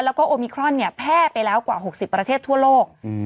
แล้วก็โอมิครอนเนี่ยแพร่ไปแล้วกว่า๖๐ประเทศทั่วโลก